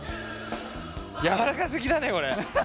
やわらかすぎだねこれ。